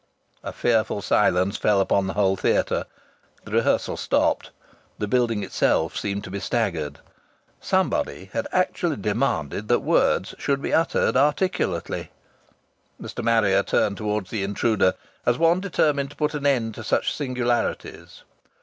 A fearful silence fell upon the whole theatre. The rehearsal stopped. The building itself seemed to be staggered. Somebody had actually demanded that words should be uttered articulately! Mr. Marrier turned towards the intruder, as one determined to put an end to such singularities.